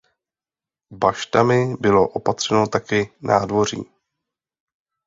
Baštami bylo opatřeno taky nádvoří.